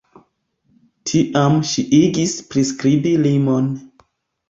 Tiam ŝi igis priskribi limon.